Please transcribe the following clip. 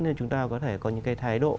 để chúng ta có thể có những cái thái độ